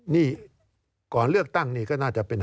นี่ก่อนเลือกตั้งนี่ก็น่าจะเป็น